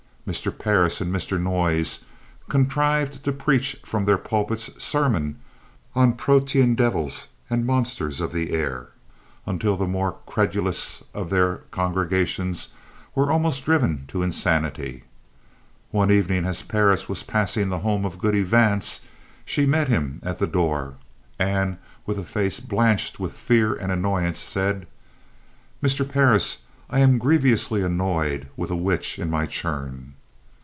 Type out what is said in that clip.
Mr. Parris and Mr. Noyes contrived to preach from their pulpits sermons on protean devils and monsters of the air, until the more credulous of their congregations were almost driven to insanity. One evening, as Parris was passing the home of Goody Vance, she met him at the door, and, with a face blanched with fear and annoyance, said: "Mr. Parris, I am grievously annoyed with a witch in my churn."